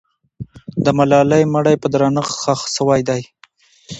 د ملالۍ مړی په درنښت ښخ سوی دی.